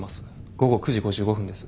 午後９時５５分です。